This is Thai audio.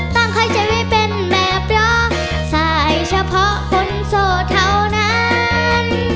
ตั้งใจไว้เป็นแบบรอสายเฉพาะคนโสดเท่านั้น